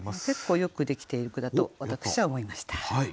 結構よくできている句だと私は思いました。